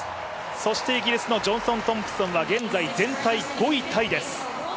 そしてイギリスのジョンソン・トンプソンは現在全体５位です。